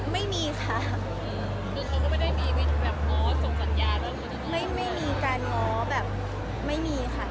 ไม่มีการง้อแบบไม่มีค่ะ